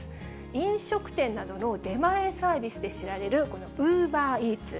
飲食店などの出前サービスで知られるこのウーバーイーツ。